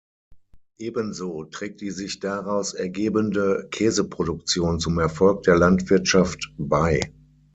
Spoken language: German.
Ebenso trägt die sich daraus ergebende Käseproduktion zum Erfolg der Landwirtschaft bei.